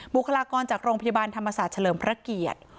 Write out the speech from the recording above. บุคลากรจากโรงพยาบาลธรรมศาสตร์เฉลิมพระเกียรติ